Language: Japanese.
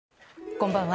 こんばんは。